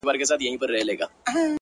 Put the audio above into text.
• ځان به خلاص کړو له دریم شریک ناولي ,